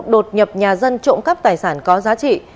đột nhập nhà dân trộm cắp tài sản có giá trị